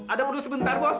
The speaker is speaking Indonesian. ada perlu sebentar bos